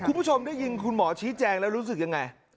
คุณผู้ชมได้ยินคุณหมอชี้แจงแล้วรู้สึกยังไง